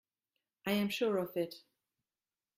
I am sure of it.